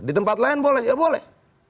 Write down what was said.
di tempat lain boleh ya boleh